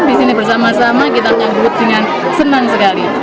di sini bersama sama kita nyambut dengan senang sekali